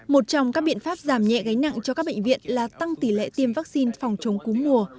một trong các biện pháp giảm nhẹ gánh nặng cho các bệnh viện là tăng tỷ lệ tiêm vaccine phòng chống cúm mùa